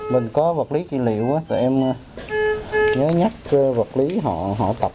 mình có vật lý kỹ liệu á tụi em nhớ nhắc vật lý họ tập